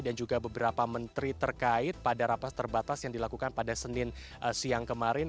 dan juga beberapa menteri terkait pada rapas terbatas yang dilakukan pada senin siang kemarin